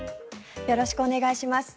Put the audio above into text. よろしくお願いします。